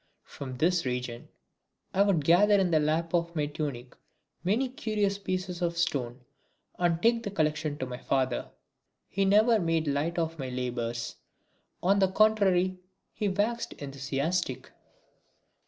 From this region I would gather in the lap of my tunic many curious pieces of stone and take the collection to my father. He never made light of my labours. On the contrary he waxed enthusiastic.